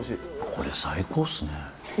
これ、最高っすね。